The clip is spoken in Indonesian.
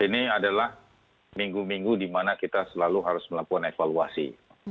ini adalah minggu minggu di mana kita selalu harus melakukan evaluasi